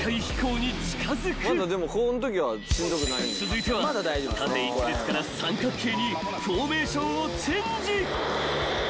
［続いては縦１列から三角形にフォーメーションをチェンジ］